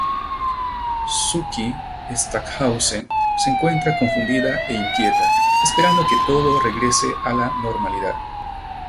Sookie Stackhouse se encuentra confundida e inquieta, esperando que todo regrese a la normalidad.